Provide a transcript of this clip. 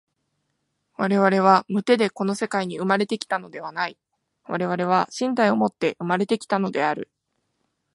我々は無手でこの世界に生まれて来たのではない、我々は身体をもって生まれて来たのである。